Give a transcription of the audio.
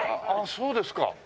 そうですか。